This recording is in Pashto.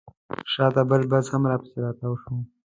شاته بل بس هم راپسې راتاو شو.